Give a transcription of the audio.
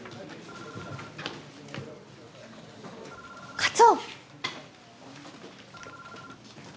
課長！